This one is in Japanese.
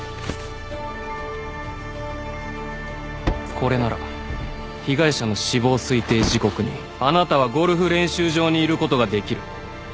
これなら被害者の死亡推定時刻にあなたはゴルフ練習場にいることができる。